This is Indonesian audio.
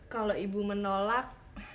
kalau ibu menolak